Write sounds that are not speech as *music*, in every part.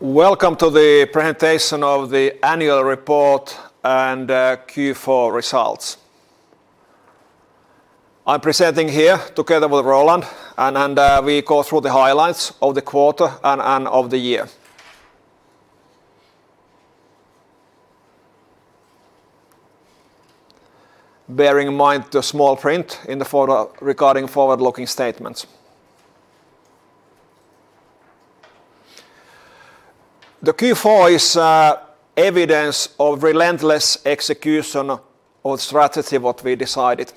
Welcome to the presentation of the annual report and Q4 results. I'm presenting here together with Roland, and we go through the highlights of the quarter and of the year. Bearing in mind the small print in the photo regarding forward-looking statements. The Q4 is evidence of relentless execution of strategy what we decided.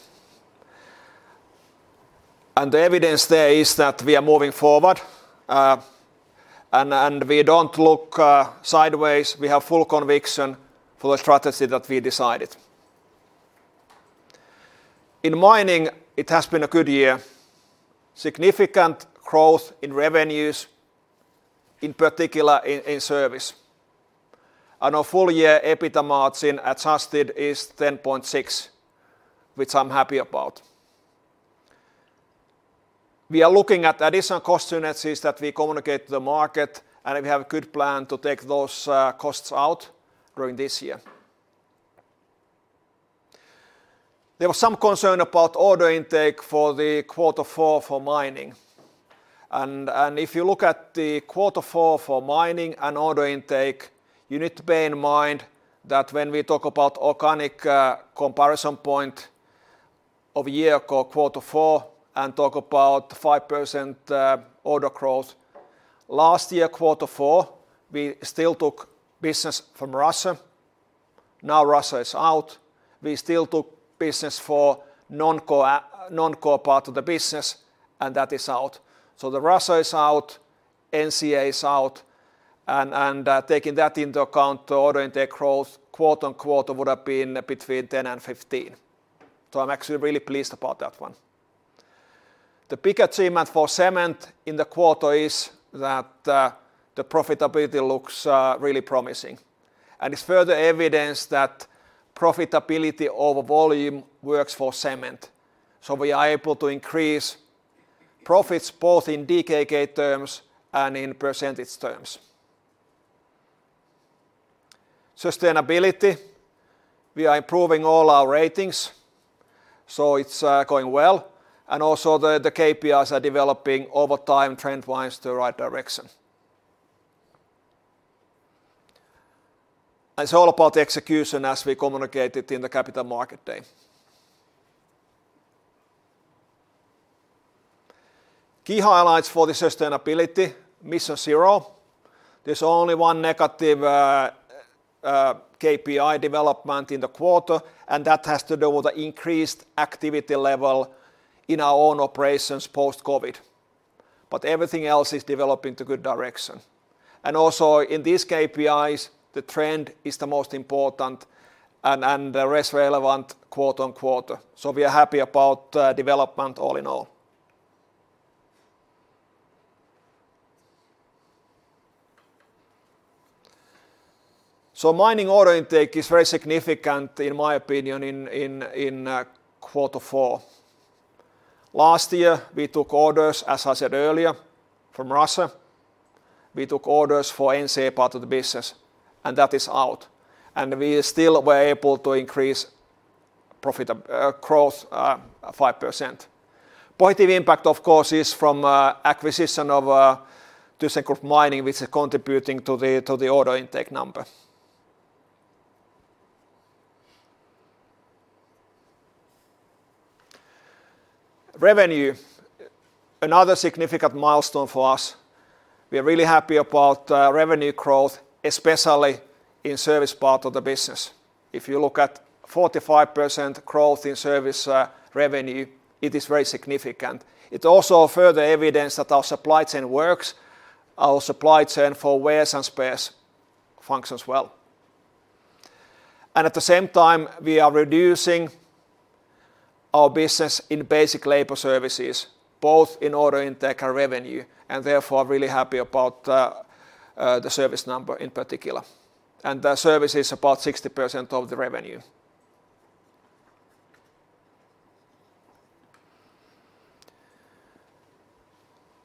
The evidence there is that we are moving forward, and we don't look sideways. We have full conviction for the strategy that we decided. In mining, it has been a good year. Significant growth in revenues, in particular in service. Our full year EBITDA margin adjusted is 10.6%, which I'm happy about. We are looking at additional cost synergies that we communicate to the market, and we have a good plan to take those costs out during this year. There was some concern about order intake for the quarter four for mining, and if you look at the quarter four for mining and order intake, you need to bear in mind that when we talk about organic comparison point of year quarter four and talk about 5% order growth, last year quarter four, we still took business from Russia. Russia is out. We still took business for Non-Core part of the business, and that is out. The Russia is out, NCA is out, and taking that into account, the order intake growth quarter-on-quarter would have been between 10 and 15. I'm actually really pleased about that one. The big achievement for cement in the quarter is that the profitability looks really promising, and it's further evidence that profitability over volume works for cement. We are able to increase profits both in DKK terms and in % terms. Sustainability, we are improving all our ratings, it's going well, and also the KPIs are developing over time, trend-wise, the right direction. It's all about execution as we communicated in the Capital Markets Day. Key highlights for the sustainability, MissionZero. There's only one negative KPI development in the quarter, and that has to do with the increased activity level in our own operations post-COVID. Everything else is developing to good direction. Also in these KPIs, the trend is the most important and the rest relevant quarter-on-quarter. We are happy about development all in all. Mining order intake is very significant in my opinion in Q4. Last year, we took orders, as I said earlier, from Russia. We took orders for NCA part of the business, and that is out. We still were able to increase profit growth 5%. Positive impact of course is from acquisition of Thyssenkrupp Mining, which is contributing to the order intake number. Revenue, another significant milestone for us. We're really happy about revenue growth, especially in service part of the business. If you look at 45% growth in service revenue, it is very significant. It also further evidence that our supply chain works, our supply chain for wares and spares functions well. At the same time, we are reducing our business in basic labor services, both in order intake and revenue, and therefore really happy about the service number in particular. The service is about 60% of the revenue.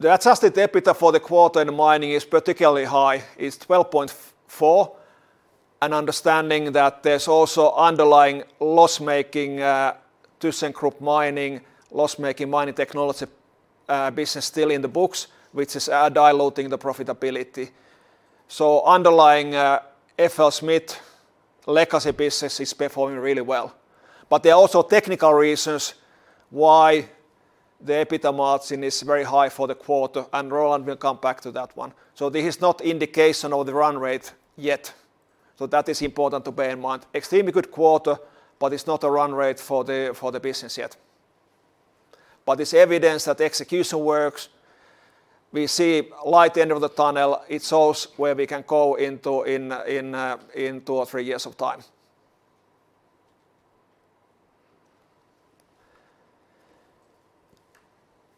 The adjusted EBITDA for the quarter in mining is particularly high. It's 12.4%, and understanding that there's also underlying loss-making Thyssenkrupp Mining, loss-making Mining Technologies business still in the books, which is diluting the profitability. Underlying, FLSmidth legacy business is performing really well. There are also technical reasons why the EBITDA margin is very high for the quarter, and Roland will come back to that one. This is not indication of the run rate yet. That is important to bear in mind. Extremely good quarter, but it's not a run rate for the, for the business yet. It's evidence that execution works. We see light at the end of the tunnel. It shows where we can go into in two or three years of time.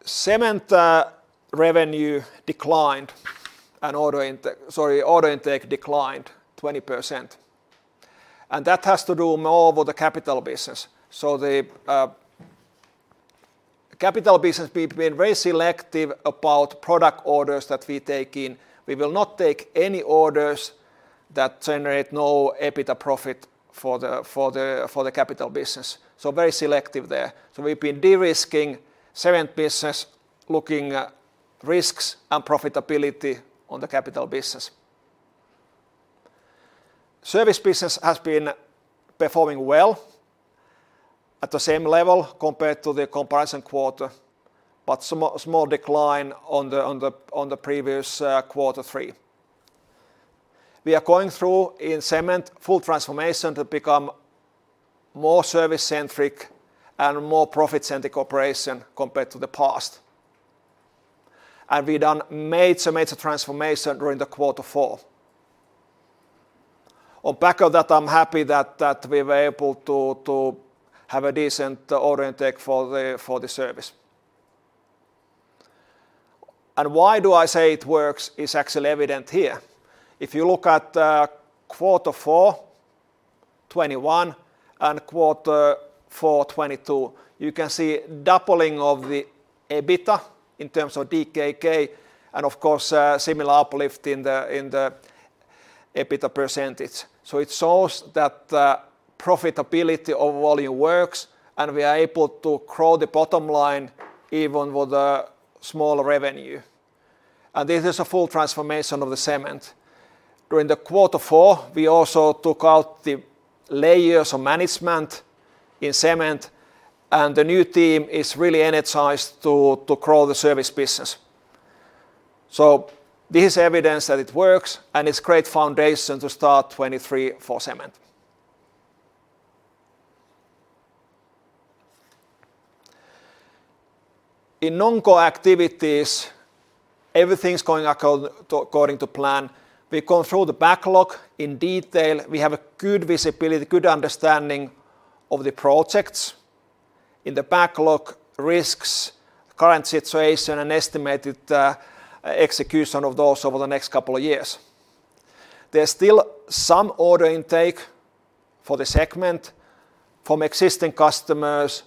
Cement revenue declined, order intake declined 20%, and that has to do more with the capital business. The Capital business, we've been very selective about product orders that we take in. We will not take any orders that generate no EBITDA profit for the capital business, so very selective there. We've been de-risking cement business, looking at risks and profitability on the capital business. Service business has been performing well, at the same level compared to the comparison quarter, but small decline on the previous quarter three. We are going through in cement full transformation to become more service-centric and more profit-centric operation compared to the past. We've done major transformation during the quarter four. On back of that, I'm happy that we were able to have a decent order intake for the service. Why do I say it works is actually evident here. If you look at Q4 2021 and Q4 2022, you can see doubling of the EBITDA in terms of DKK, and of course, similar uplift in the EBITDA %. It shows that the profitability of volume works, and we are able to grow the bottom line even with a small revenue. This is a full transformation of the cement. During the Q4, we also took out the layers of management in cement, and the new team is really energized to grow the service business. This is evidence that it works, and it's great foundation to start 2023 for cement. In Non-Core Activities, everything's going according to plan. We've gone through the backlog in detail. We have a good visibility, good understanding of the projects in the backlog, risks, current situation, and estimated execution of those over the next couple of years. There's still some order intake for the segment from existing customers,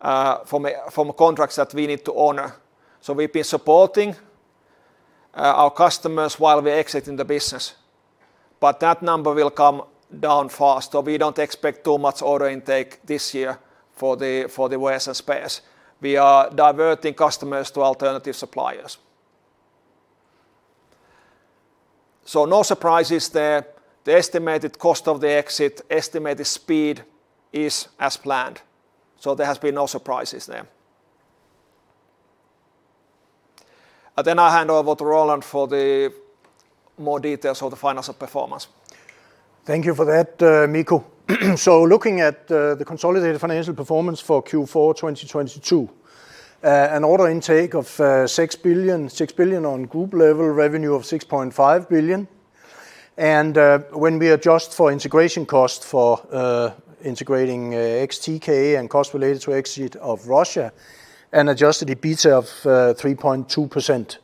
from contracts that we need to honor, so we've been supporting our customers while we're exiting the business. That number will come down fast, we don't expect too much order intake this year for the wears and spares. We are diverting customers to alternative suppliers. No surprises there. The estimated cost of the exit, estimated speed is as planned, there has been no surprises there. I'll hand over to Roland for the more details of the financial performance. Thank you for that, Mikko. Looking at the consolidated financial performance for Q4 2022, an order intake of 6 billion on group level, revenue of 6.5 billion, and when we adjust for integration cost for integrating TK and costs related to exit of Russia, an adjusted EBITDA of 3.2%.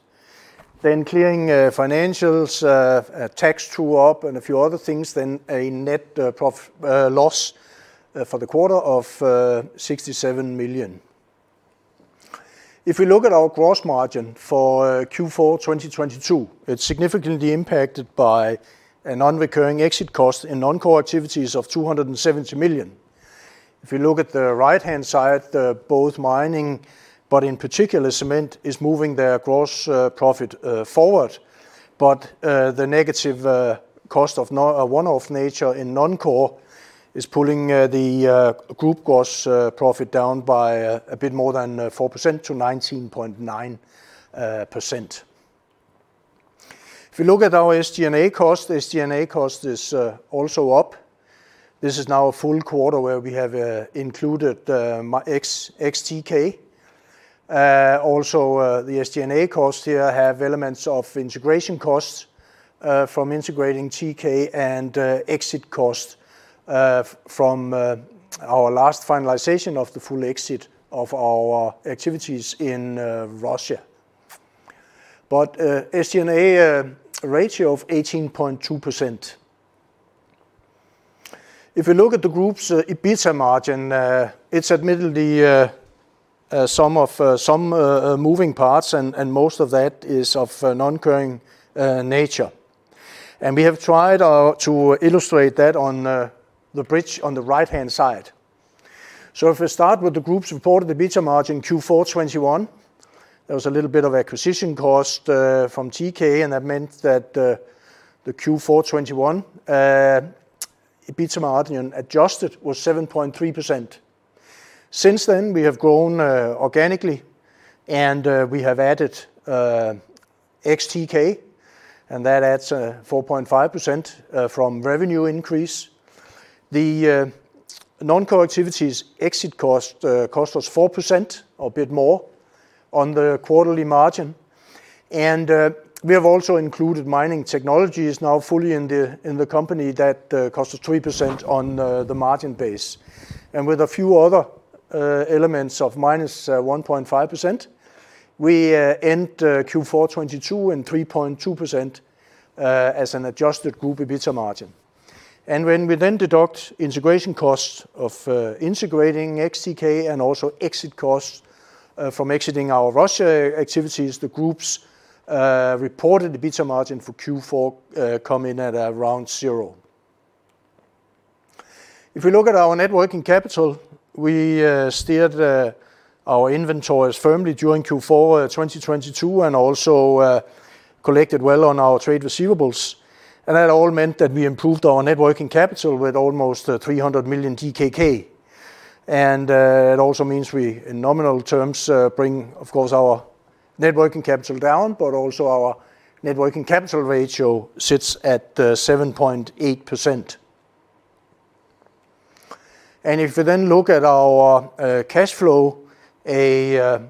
Clearing financials, tax true-up and a few other things, then a net loss for the quarter of 67 million. If we look at our gross margin for Q4 2022, it's significantly impacted by a non-recurring exit cost in Non-Core Activities of 270 million. If you look at the right-hand side, both mining, but in particular cement, is moving their gross profit forward, the negative cost of a one-off nature in Non-Core is pulling the group gross profit down by a bit more than 4% to 19.9%. If you look at our SG&A cost, SG&A cost is also up. This is now a full quarter where we have included ex-TK. Also, the SG&A cost here have elements of integration costs from integrating TK and exit cost from our last finalization of the full exit of our activities in Russia. SG&A ratio of 18.2%. If you look at the group's EBITDA margin, it's admittedly some of some moving parts and most of that is of non-recurring nature. We have tried to illustrate that on the bridge on the right-hand side. If we start with the group's reported EBITDA margin Q4 2021, there was a little bit of acquisition cost from TK, and that meant that the Q4 2021 EBITDA margin adjusted was 7.3%. Since then, we have grown organically, and we have added TK, and that adds 4.5% from revenue increase. The Non-Core Activities exit cost cost us 4% or a bit more on the quarterly margin, and we have also included Mining Technologies now fully in the company. That cost us 3% on the margin base. With a few other elements of minus 1.5%, we end Q4 2022 in 3.2% as an adjusted group EBITDA margin. When we then deduct integration costs of integrating TK and also exit costs from exiting our Russia activities, the group's reported EBITDA margin for Q4 come in at around zero. If we look at our net working capital, we steered our inventories firmly during Q4 2022, and also collected well on our trade receivables. That all meant that we improved our net working capital with almost 300 million DKK. It also means we, in nominal terms, bring, of course, our net working capital down, but also our net working capital ratio sits at 7.8%. If we look at our cash flow, a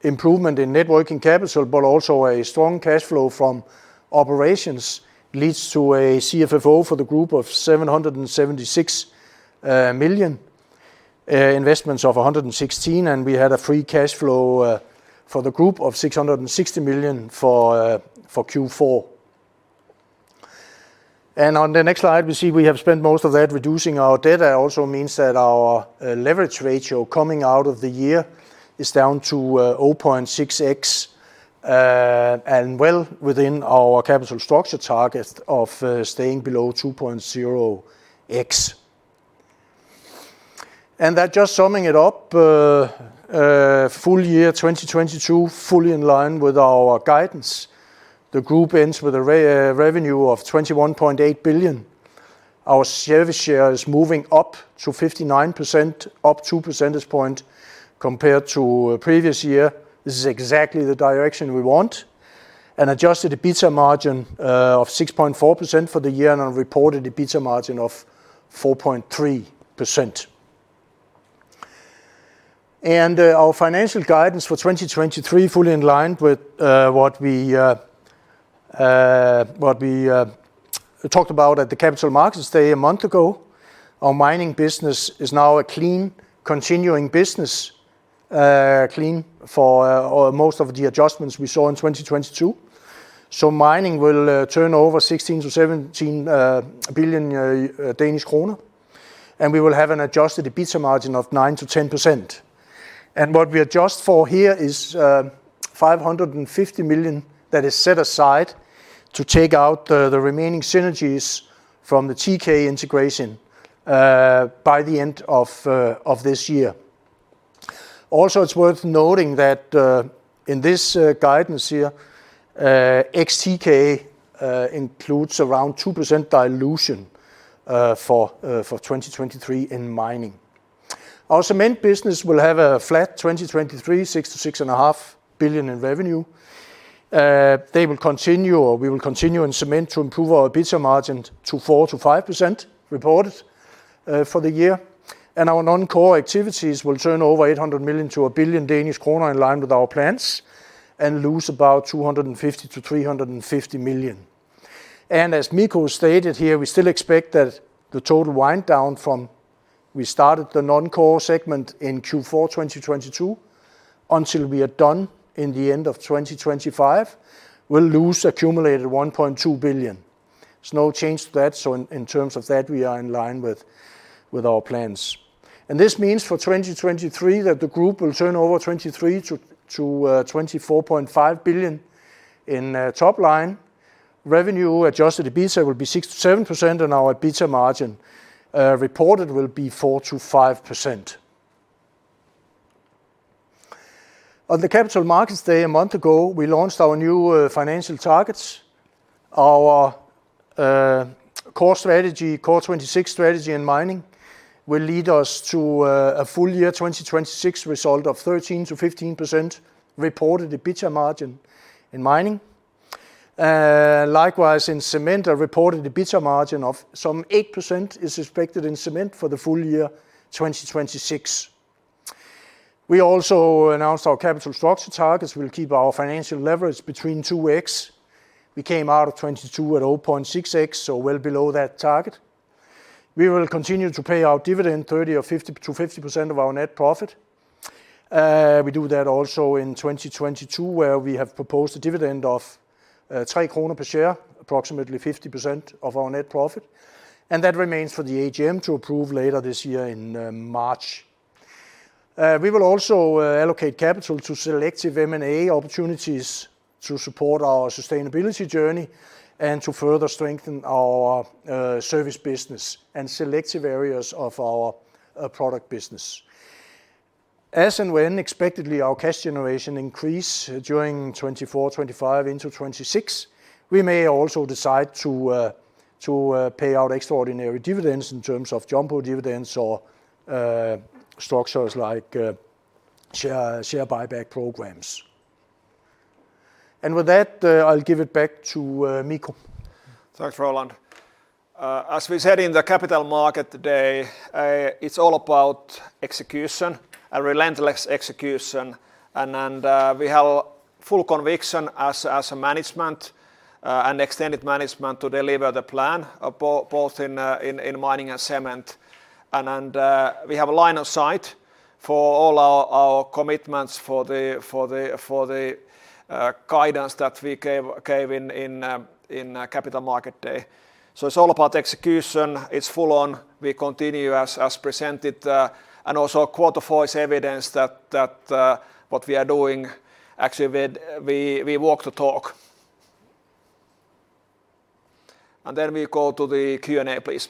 improvement in net working capital, but also a strong cash flow from operations leads to a CFFO for the group of 776 million. Investments of 116, we had a free cash flow for the group of 660 million for Q4. On the next slide, we see we have spent most of that reducing our debt. That also means that our leverage ratio coming out of the year is down to 0.6x and well within our capital structure target of staying below 2.0x. That just summing it up, full year 2022, fully in line with our guidance. The group ends with a revenue of 21.8 billion. Our service share is moving up to 59%, up 2 percentage point compared to previous year. This is exactly the direction we want. An adjusted EBITDA margin of 6.4% for the year and a reported EBITDA margin of 4.3%. Our financial guidance for 2023 fully in line with what we talked about at the Capital Markets Day a month ago. Our mining business is now a clean, continuing business, clean for or most of the adjustments we saw in 2022. Mining will turn over 16 billion-17 billion Danish kroner, and we will have an adjusted EBITDA margin of 9%-10%. What we adjust for here is 550 million that is set aside to take out the remaining synergies from the TK integration by the end of this year. Also, it's worth noting that in this guidance here, TK includes around 2% dilution for 2023 in mining. Our cement business will have a flat 2023, 6 billion-6.5 billion in revenue. We will continue in cement to improve our EBITDA margin to 4%-5% reported for the year. Our Non-Core Activities will turn over 800 million-1 billion Danish kroner in line with our plans and lose about 250 million-350 million. As Mikko stated here, we still expect that the total wind down from we started the Non-Core Activities in Q4 2022 until we are done in the end of 2025, we'll lose accumulated 1.2 billion. There's no change to that, so in terms of that, we are in line with our plans. This means for 2023 that the group will turn over 23 billion-24.5 billion in top line. Revenue adjusted EBITDA will be 6%-7%, and our EBITDA margin reported will be 4%-5%. On the Capital Markets Day a month ago, we launched our new financial targets. Our CORE 2026 strategy in mining will lead us to a full year 2026 result of 13%-15% reported EBITDA margin in mining. Likewise, in cement, a reported EBITDA margin of some 8% is expected in cement for the full year 2026. We also announced our capital structure targets. We'll keep our financial leverage between 2x. We came out of 2022 at 0.6x, well below that target. We will continue to pay our dividend to 50% of our net profit. We do that also in 2022, where we have proposed a dividend of 3 kroner per share, approximately 50% of our net profit. That remains for the AGM to approve later this year in March. We will also allocate capital to selective M&A opportunities to support our sustainability journey and to further strengthen our service business and selective areas of our product business. As and when expectedly our cash generation increase during 2024, 2025 into 2026, we may also decide to pay out extraordinary dividends in terms of jumbo dividends or structures like share buyback programs. With that, I'll give it back to Mikko. Thanks, Roland. As we said in the Capital Markets Day, it's all about execution, a relentless execution, and we have full conviction as management and extended management to deliver the plan, both in mining and cement, and we have a line of sight for all our commitments for the guidance that we gave in Capital Markets Day. It's all about execution. It's full on. We continue as presented, and also quarter four is evidence that what we are doing actually we walk the talk. We go to the Q&A, please.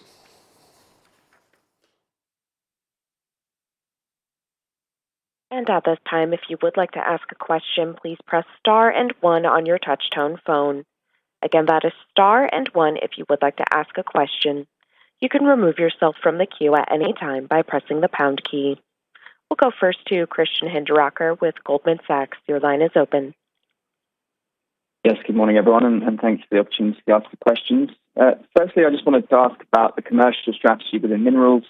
At this time, if you would like to ask a question, please press star and one on your touchtone phone. Again, that is star and one if you would like to ask a question. You can remove yourself from the queue at any time by pressing the pound key. We'll go first to Christian Hinderaker with Goldman Sachs. Your line is open. Yes, good morning, everyone, and thanks for the opportunity to ask the questions. Firstly, I just wanted to ask about the commercial strategy within minerals,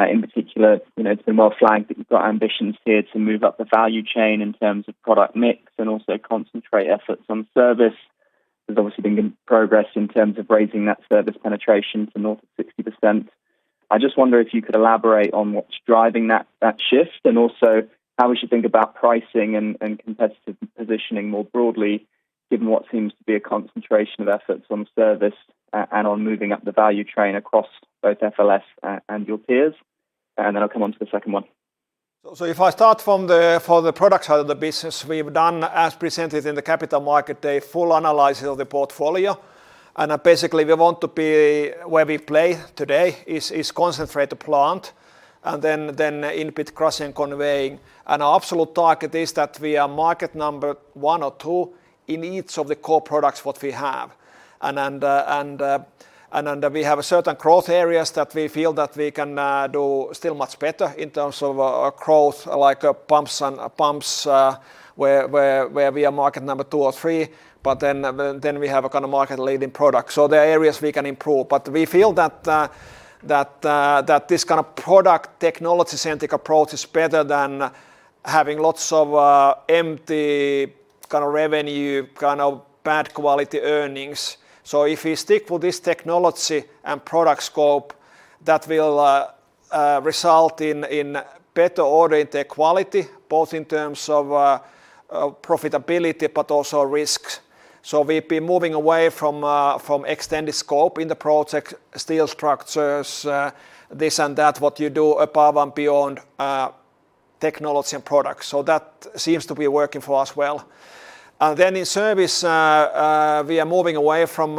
in particular, you know, it's been well flagged that you've got ambitions here to move up the value chain in terms of product mix and also concentrate efforts on service. There's obviously been good progress in terms of raising that service penetration to north of 60%. I just wonder if you could elaborate on what's driving that shift and also how we should think about pricing and competitive positioning more broadly, given what seems to be a concentration of efforts on service and on moving up the value chain across both FLS and your peers. I'll come on to the second one. If I start from the for the product side of the business, we've done, as presented in the Capital Market Day, full analysis of the portfolio. Basically, we want to be where we play today is concentrate the plant and then in-pit crushing and conveying. Our absolute target is that we are market number one or two in each of the core products what we have. We have certain growth areas that we feel that we can do still much better in terms of growth, like pumps and pumps, where we are market number two or three, but then we have a kind of market-leading product. There are areas we can improve. We feel that this kind of product technology-centric approach is better than having lots of empty kind of revenue, kind of bad quality earnings. If we stick with this technology and product scope, that will result in better order in the quality, both in terms of profitability, but also risk. We've been moving away from extended scope in the project, steel structures, this and that, what you do above and beyond technology and product. That seems to be working for us well. In service, we are moving away from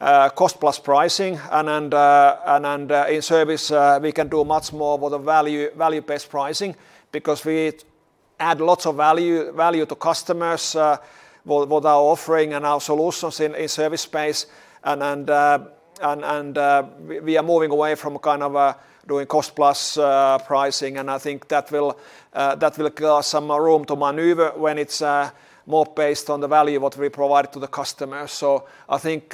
cost-plus pricing, and in service, we can do much more with value-based pricing because we add lots of value to customers with our offering and our solutions in service space. We are moving away from kind of doing cost-plus pricing, and I think that will give us some room to maneuver when it's more based on the value what we provide to the customer. I think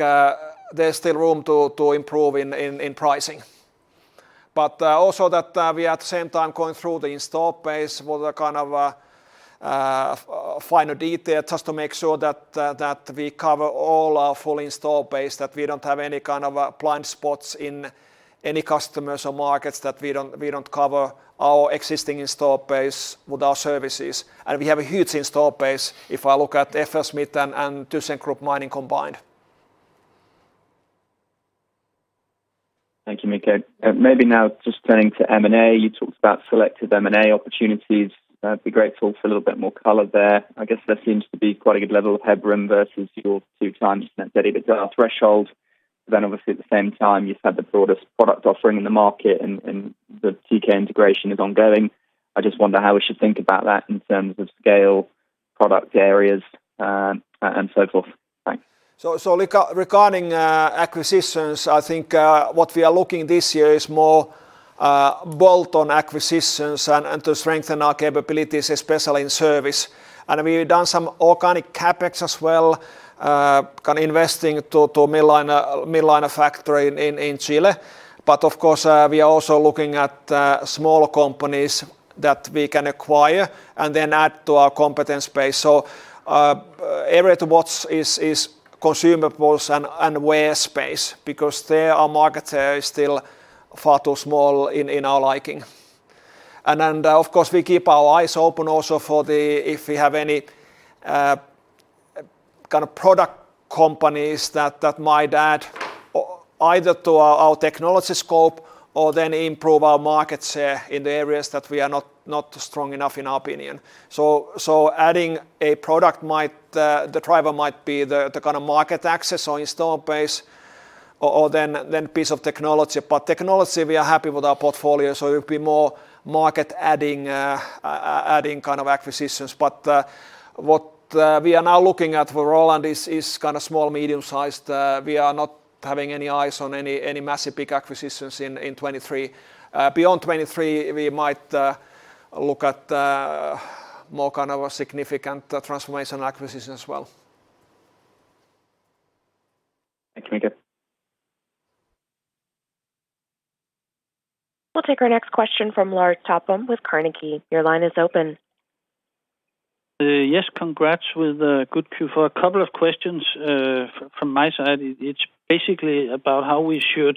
there's still room to improve in pricing. Also that, we at the same time going through the install base with a kind of, finer detail just to make sure that we cover all our full install base, that we don't have any kind of, blind spots in any customers or markets that we don't cover our existing install base with our services. We have a huge install base if I look at FLS and Thyssenkrupp Mining combined. Thank you, Mikko. Maybe now just turning to M&A. You talked about selective M&A opportunities. Be grateful for a little bit more color there. I guess there seems to be quite a good level of headroom versus your two times net debt threshold. Obviously, at the same time, you said the broadest product offering in the market and the TK integration is ongoing. I just wonder how we should think about that in terms of scale, product areas, and so forth. Thanks. Regarding acquisitions, I think what we are looking this year is more bolt-on acquisitions and to strengthen our capabilities, especially in service. We've done some organic CapEx as well, investing to Mill Liner factory in Chile. Of course, we are also looking at smaller companies that we can acquire and then add to our competence base. Area to watch is consumables and wear space because there our market is still far too small in our liking. Of course, we keep our eyes open also for if we have any product companies that might add either to our technology scope or then improve our markets in the areas that we are not strong enough, in our opinion. Adding a product might the driver might be the kind of market access or install base or then piece of technology. Technology, we are happy with our portfolio, so it'll be more market adding kind of acquisitions. What we are now looking at for Roland is kind of small, medium-sized. We are not having any eyes on any massive, big acquisitions in 2023. Beyond 2023, we might look at more kind of a significant transformation acquisition as well. Thanks, Mikko. We'll take our next question from Lars Topholm with Carnegie. Your line is open. Yes, congrats with a good Q4. For a couple of questions from my side, it's basically about how we should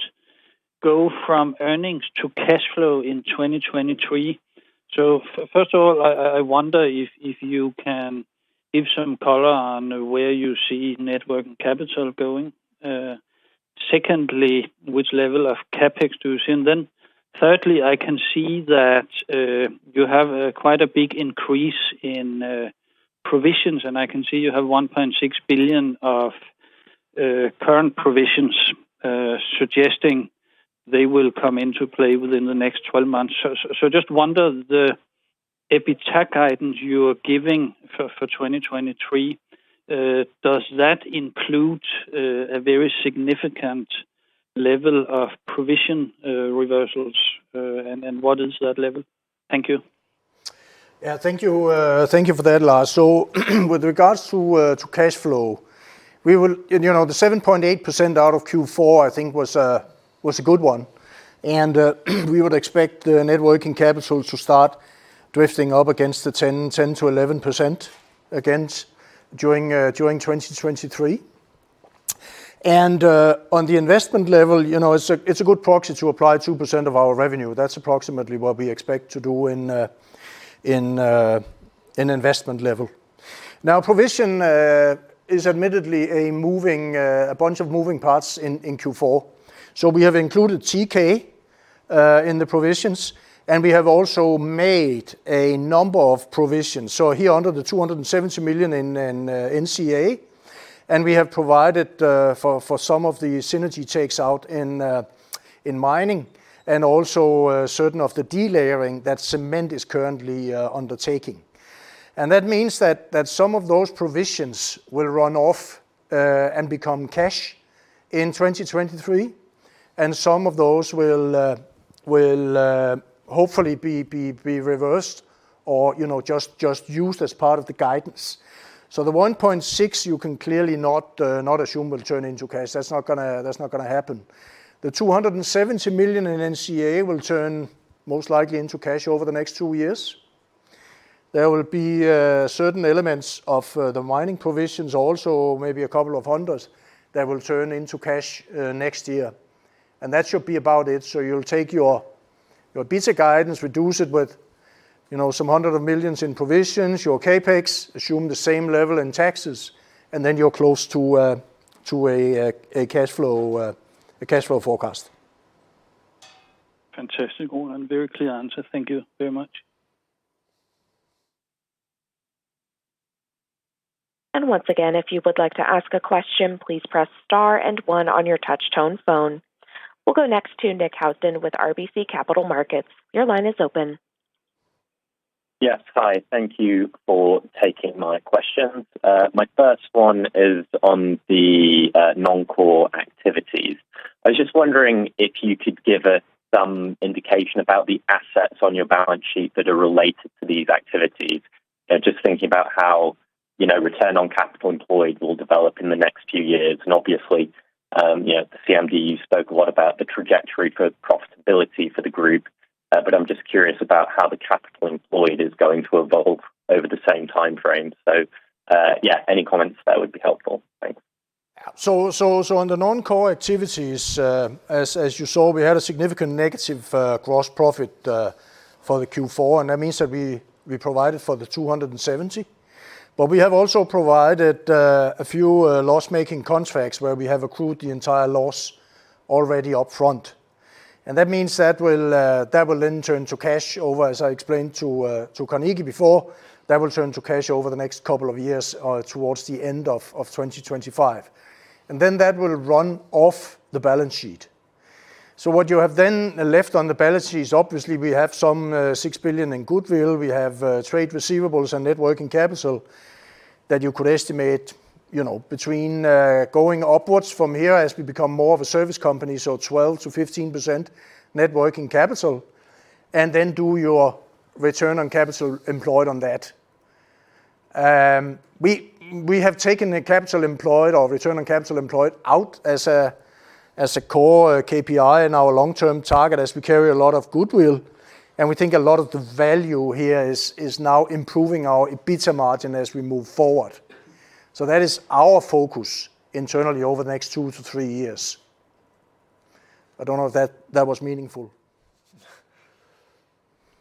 go from earnings to cashflow in 2023. First of all, I wonder if you can give some color on where you see network and capital going. Secondly, which level of CapEx do you see? Thirdly, I can see that you have quite a big increase in provisions, and I can see you have 1.6 billion of current provisions, suggesting they will come into play within the next 12 months. Just wonder the EBITDA guidance you are giving for 2023, does that include a very significant level of provision reversals, and what is that level? Thank you. Yeah. Thank you. Thank you for that, Lars. With regards to cashflow, we will... And, you know, the 7.8% out of Q4 I think was a good one. We would expect the networking capital to start drifting up against the 10-11% against during 2023. On the investment level, you know, it's a good proxy to apply 2% of our revenue. That's approximately what we expect to do in investment level. Now, provision is admittedly a moving, a bunch of moving parts in Q4. We have included TK in the provisions, and we have also made a number of provisions. Here under the 270 million in NCA, we have provided for some of the synergy takes out in mining and also a certain of the delayering that cement is currently undertaking. That means that some of those provisions will run off and become cash in 2023, some of those will hopefully be reversed or, you know, just used as part of the guidance. The 1.6 you can clearly not assume will turn into cash. That's not gonna happen. The 270 million in NCA will turn most likely into cash over the next two years. There will be certain elements of the mining provisions also, maybe a couple of hundreds, that will turn into cash next year. That should be about it. You'll take your piece of guidance, reduce it with, you know, some hundred of millions in provisions, your CapEx, assume the same level in taxes, and then you're close to a cashflow forecast. Fantastic, Roland. Very clear answer. Thank you very much. Once again, if you would like to ask a question, please press star and one on your touch tone phone. We'll go next to Nick Housden with RBC Capital Markets. Your line is open. Yes. Hi. Thank you for taking my questions. My first one is on the Non-Core Activities. I was just wondering if you could give us some indication about the assets on your balance sheet that are related to these activities. Just thinking about how, you know, return on capital employed will develop in the next few years. Obviously, you know, the CMD, you spoke a lot about the trajectory for profitability for the group, but I'm just curious about how the capital employed is going to evolve over the same timeframe. Yeah, any comments there would be helpful. Thanks. On the Non-Core Activities, as you saw, we had a significant negative gross profit for the Q4, that means that we provided for the 270. We have also provided a few loss-making contracts where we have accrued the entire loss already upfront. That means that will then turn to cash over, as I explained to Carnegie before, that will turn to cash over the next couple of years towards the end of 2025. That will run off the balance sheet. What you have then left on the balance sheet, obviously we have some 6 billion in goodwill. We have, trade receivables and net working capital that you could estimate, you know, between, going upwards from here as we become more of a service company, so 12%-15% net working capital, and then do your return on capital employed on that. We, we have taken the capital employed or return on capital employed out as a, as a core, KPI in our long-term target as we carry a lot of goodwill, and we think a lot of the value here is now improving our EBITDA margin as we move forward. That is our focus internally over the next 2-3 years. I don't know if that was meaningful.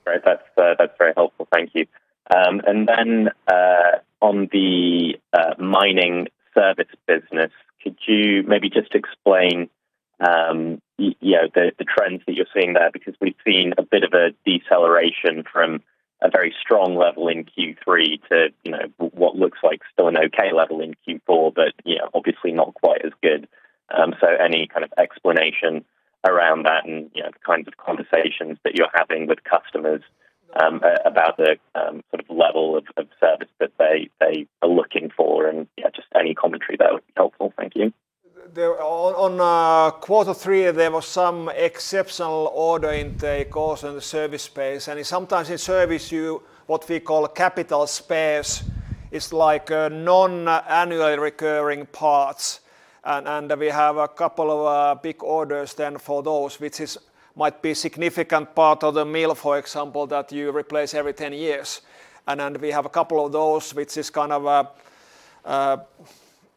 Right. That's very helpful. Thank you. On the mining service business, could you maybe just explain, you know, the trends that you're seeing there? We've seen a bit of a deceleration from a very strong level in Q3 to, you know, what looks like still an okay level in Q4, but, you know, obviously not quite as good. Any kind of explanation around that and, you know, the kinds of conversations that you're having with customers, about the sort of level of service that they are looking for, and yeah, just any commentary there would be helpful. Thank you. On quarter three, there was some exceptional order intake also in the service space, and sometimes in service, what we call capital spares is like a non-annually recurring parts. We have a couple of big orders then for those, which might be significant part of the mill, for example, that you replace every 10 years. We have a couple of those, which is kind of a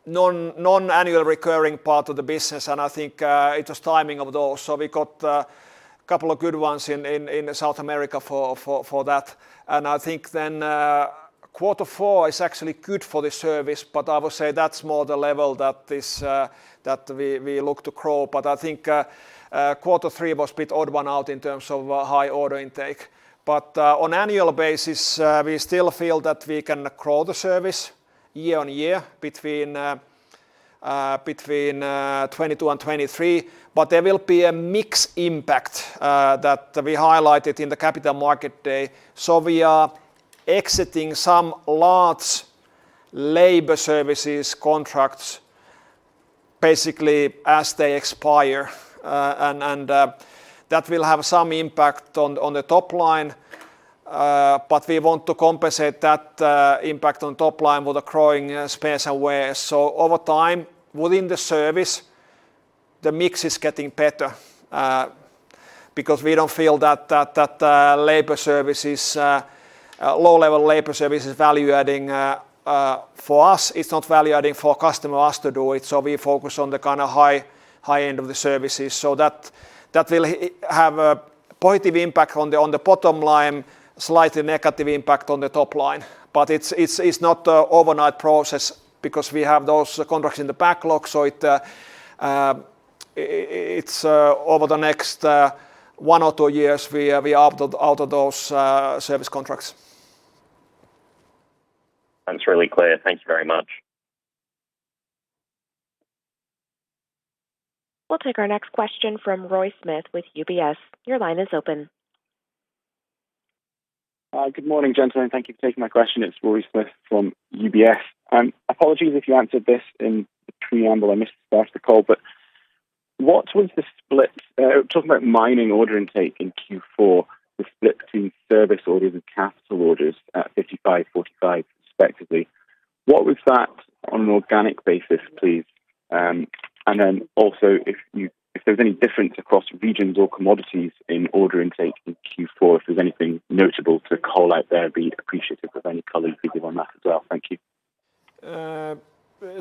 non-annual recurring part of the business. I think it's just timing of those. We got a couple of good ones in South America for that. I think quarter four is actually good for the service, but I would say that's more the level that this we look to grow. I think quarter three was a bit odd one out in terms of high order intake. On annual basis, we still feel that we can grow the service year-on-year between 2022 and 2023. There will be a mix impact that we highlighted in the Capital Markets Day. We are exiting some large labor services contracts basically as they expire. And that will have some impact on the top line. We want to compensate that impact on top line with the growing space and ware. Over time, within the service, the mix is getting better because we don't feel that labor service is low-level labor service is value-adding for us. It's not value-adding for customer or us to do it. We focus on the kind of high end of the services. That will have a positive impact on the, on the bottom line, slightly negative impact on the top line. It's not an overnight process because we have those contracts in the backlog. It's over the next one or two years, we out of those service contracts. That's really clear. Thank you very much. We'll take our next question from Roy Smith with UBS. Your line is open. Good morning, gentlemen. Thank you for taking my question. It's Roy Smith from UBS. Apologies if you answered this in the preamble. I missed start of the call. Talking about mining order intake in Q4, the split between service orders and capital orders at 55%, 45% respectively. What was that on an organic basis, please? If there's any difference across regions or commodities in order intake in Q4, if there's anything notable to call out there, I'd be appreciative of any color you could give on that as well. Thank you.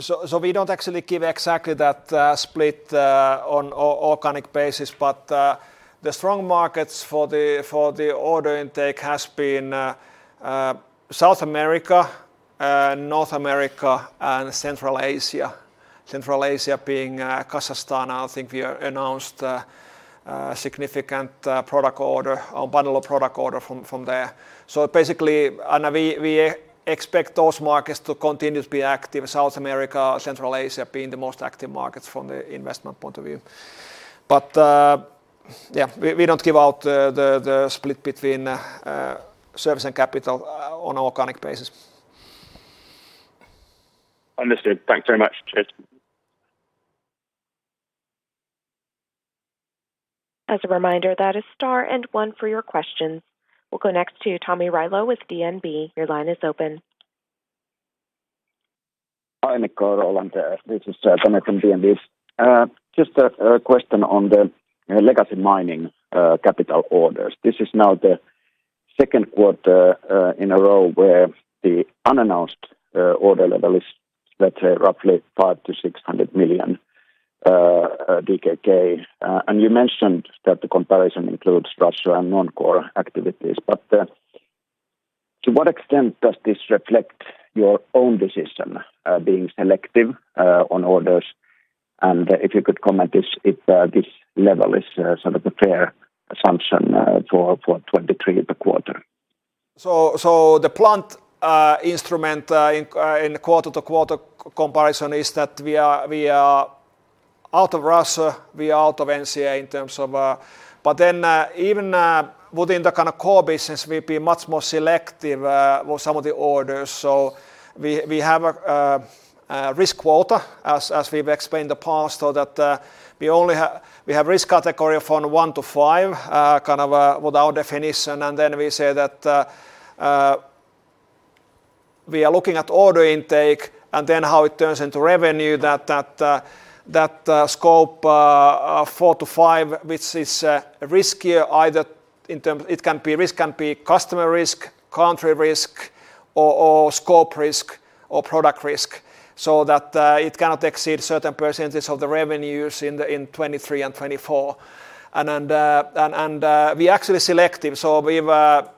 So we don't actually give exactly the slit on organic basis. But the strong market for the order intake has been South America, North America and Central Asia being. *inaudible* I think we have announced significant product a bundle of order from there. So, basicly we expect those markets to continue to be active. South America, Central Asia been the most active markets from the investment point of view. But, we don't give out the split between sales and capital on organic basis. Understood. Thanks very much. Cheers. As a reminder, that is star and one for your questions. We'll go next to Tomi Railo with DNB. Your line is open. Hi, Mikko and Roland. This is Tomi from DNB. Just a question on the legacy mining capital orders. This is now the Q2 in a row where the unannounced order level is, let's say, roughly 500 million-600 million DKK. You mentioned that the comparison includes Russia and Non-Core Activities. To what extent does this reflect your own decision, being selective on orders? If you could comment if this level is sort of a fair assumption for 2023 the quarter? The plant instrument in quarter-to-quarter comparison is that we are out of Russia, we are out of NCA in terms of. Even within the kind of core business, we've been much more selective with some of the orders. We have a risk quota, as we've explained in the past, so that we have risk category from one to five, kind of, with our definition. Then we say that we are looking at order intake and then how it turns into revenue, that scope four to five, which is riskier either in terms. It can be customer risk, country risk or scope risk or product risk, so that it cannot exceed certain percentages of the revenues in 2023 and 2024. Then, and we're actually selective. We've have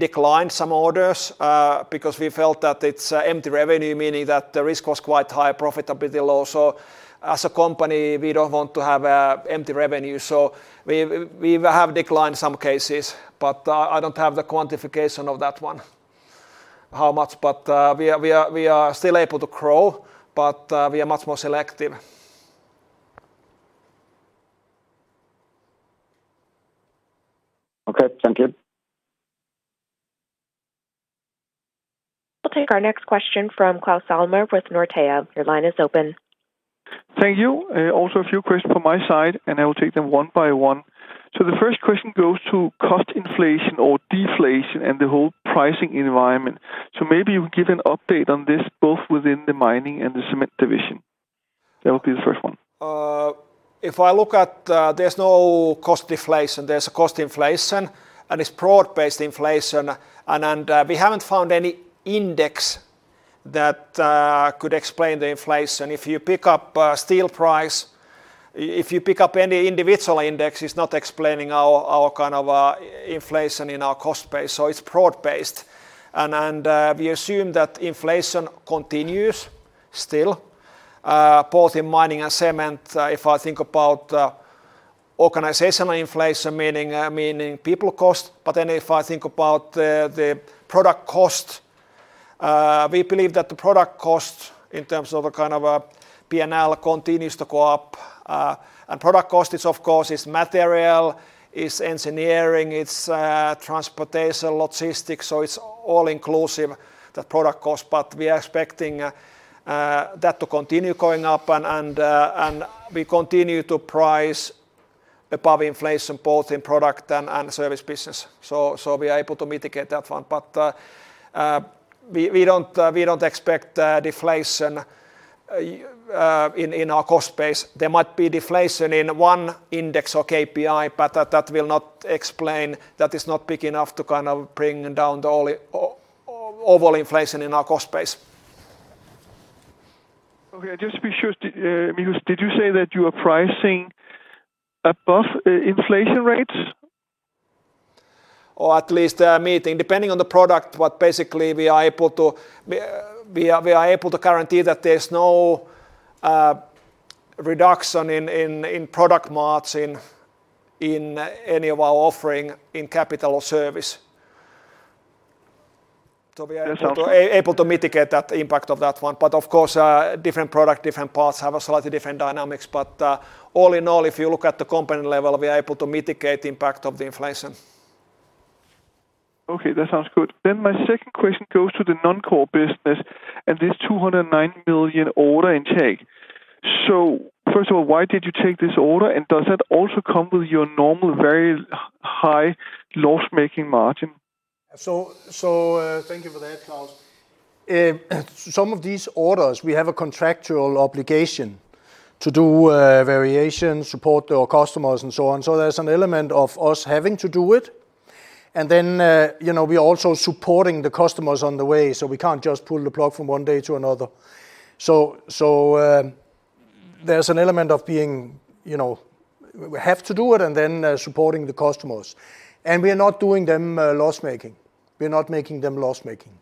declined some orders because we felt that it's empty revenue, meaning that the risk was quite high profitability low. As a company, we don't want to have empty revenue. We've have declined some cases, but I don't have the quantification of that one, how much. We are still able to grow, but, we are much more selective. Okay. Thank you. We'll take our next question from Claus Almer with Nordea. Your line is open. Thank you. Also a few questions from my side, and I will take them one by one. The first question goes to cost inflation or deflation and the whole pricing environment. Maybe you give an update on this both within the mining and the cement division. That would be the first one. If I look at, there's no cost deflation, there's a cost inflation, it's broad-based inflation. We haven't found any index that could explain the inflation. If you pick up steel price, if you pick up any individual index, it's not explaining our kind of inflation in our cost base, it's broad-based. We assume that inflation continues still both in mining and cement. If I think about organizational inflation, meaning meaning people cost. If I think about the product cost, we believe that the product cost in terms of a kind of a P&L continues to go up. Product cost is of course, it's material, it's engineering, it's transportation, logistics, it's all inclusive, the product cost. We are expecting that to continue going up and we continue to price above inflation both in product and service business. We are able to mitigate that one. We don't expect deflation in our cost base. There might be deflation in one index or KPI, but that will not explain. That is not big enough to kind of bring down the only overall inflation in our cost base. Okay. Just to be sure, because did you say that you are pricing above, inflation rates? At least, meeting. Depending on the product, but basically, we are able to guarantee that there's no reduction in product margins in any of our offering in capital or service. we are able to. Yes. Able to mitigate that impact of that one. Of course, different product, different parts have a slightly different dynamics. All in all, if you look at the component level, we are able to mitigate impact of the inflation. Okay, that sounds good. My second question goes to the Non-Core business and this 209 million order intake. First of all, why did you take this order, and does that also come with your normal very high loss-making margin? Thank you for that, Claus. Some of these orders, we have a contractual obligation to do variation, support our customers, and so on. There's an element of us having to do it. You know, we are also supporting the customers on the way, we can't just pull the plug from one day to another. There's an element of being, you know, we have to do it and then supporting the customers. We are not doing them loss-making. We are not making them loss-making.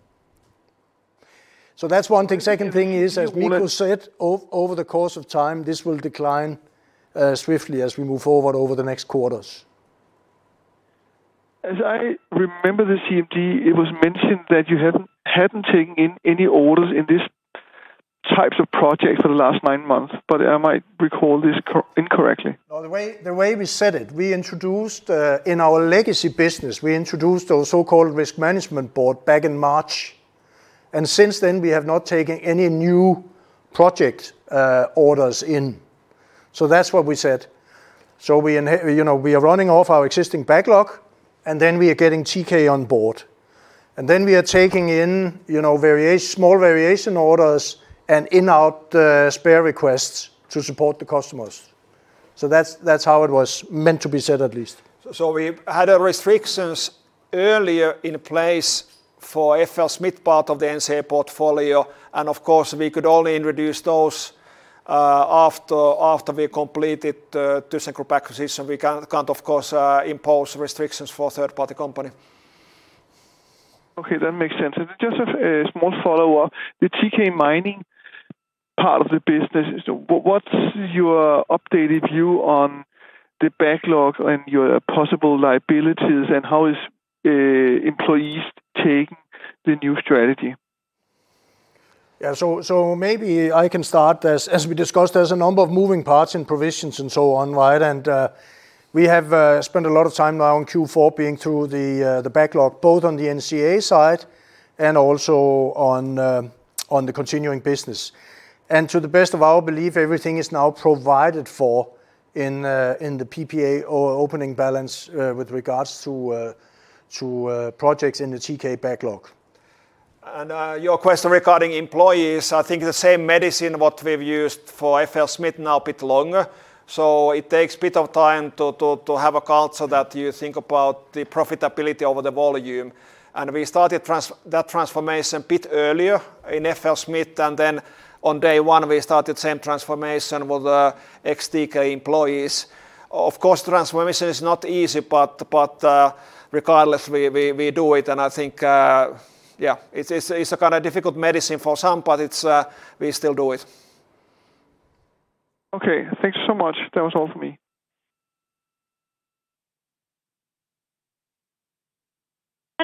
That's one thing. Second thing is, as Mikko Keto said, over the course of time, this will decline swiftly as we move forward over the next quarters. As I remember the CMD, it was mentioned that you hadn't taken in any orders in this types of projects for the last nine months. I might recall this incorrectly. No. The way we said it, we introduced in our legacy business, we introduced a so-called Risk Management Board back in March. Since then, we have not taken any new project orders in. That's what we said. We, you know, we are running off our existing backlog, we are getting TK on board. We are taking in, you know, small variation orders and in out spare requests to support the customers. That's how it was meant to be said at least. We had restrictions earlier in place for FLSmidth part of the NCA portfolio, and of course, we could only introduce those after we completed the second group acquisition. We can't of course impose restrictions for third-party company. Okay, that makes sense. Just a small follow-up. The TK Mining part of the business, so what's your updated view on the backlog and your possible liabilities, and how is employees taking the new strategy? Yeah. Maybe I can start. As we discussed, there's a number of moving parts and provisions and so on, right? We have spent a lot of time now in Q4 being through the backlog, both on the NCA side and also on the continuing business. To the best of our belief, everything is now provided for in the PPA or opening balance with regards to projects in the TK backlog. Your question regarding employees, I think the same medicine what we've used for FLSmidth now a bit longer. It takes a bit of time to have a culture that you think about the profitability over the volume. We started that transformation a bit earlier in FLSmidth, and then on day one we started same transformation with the ex-TK employees. Of course, transformation is not easy, but regardless, we do it and I think, yeah. It's a kind of difficult medicine for some, but it's we still do it. Okay. Thank you so much. That was all for me.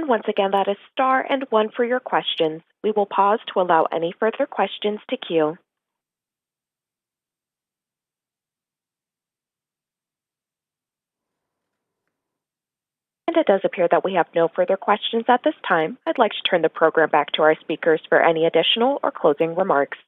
Once again, that is star and one for your questions. We will pause to allow any further questions to queue. It does appear that we have no further questions at this time. I'd like to turn the program back to our speakers for any additional or closing remarks.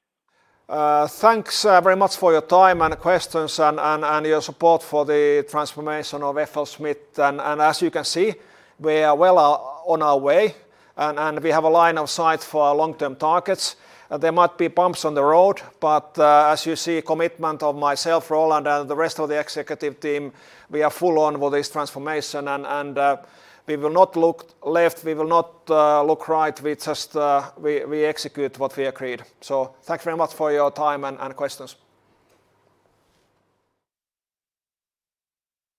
Thanks very much for your time and questions and your support for the transformation of FLSmidth. As you can see, we are well on our way and we have a line of sight for our long-term targets. There might be bumps on the road, but as you see commitment of myself, Roland, and the rest of the executive team, we are full on with this transformation and we will not look left, we will not look right. We just we execute what we agreed. Thanks very much for your time and questions.